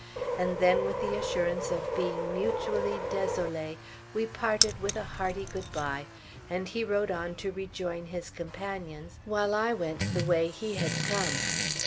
And then with the assurance of being mutually désolée, we parted with a hearty good bye, and he rode on to rejoin his companions, while I went the way he had come.